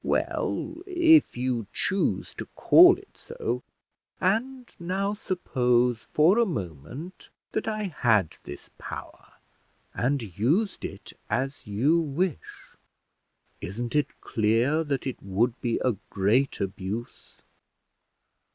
"Well, if you choose to call it so." "And now suppose for a moment that I had this power, and used it as you wish: isn't it clear that it would be a great abuse?